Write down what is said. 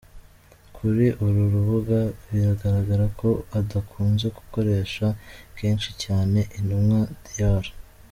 Kuri uru rubuga bigaragara ko adakunze gukoresha kenshi cyane, Intumwa Dr.